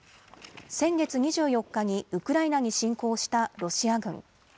先月２４日にウクライナに侵攻したロシア軍。